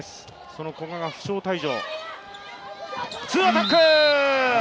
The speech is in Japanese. その古賀が負傷退場。